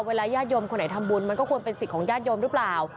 ญาติโยมคนไหนทำบุญมันก็ควรเป็นสิทธิ์ของญาติโยมหรือเปล่า